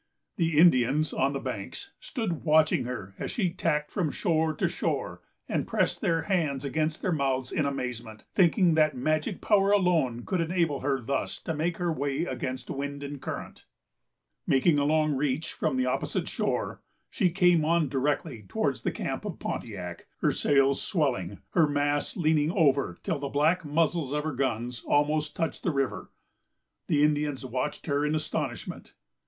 The Indians, on the banks, stood watching her as she tacked from shore to shore, and pressed their hands against their mouths in amazement, thinking that magic power alone could enable her thus to make her way against wind and current. Making a long reach from the opposite shore, she came on directly towards the camp of Pontiac, her sails swelling, her masts leaning over till the black muzzles of her guns almost touched the river. The Indians watched her in astonishment.